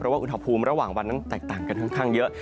ว่าอุณหภูมิระหว่างวันนั้นแตกต่างกันค่อนข้างเยอะ